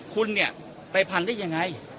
คุณเนี่ยไปพันได้ยังไง